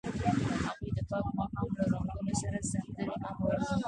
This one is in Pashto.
هغوی د پاک ماښام له رنګونو سره سندرې هم ویلې.